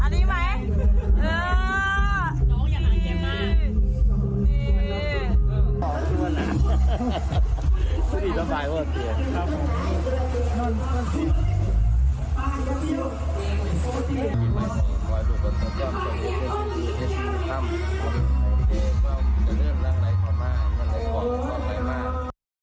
น้องอันนี้ไหมน้องอยากหาเกลียดมาก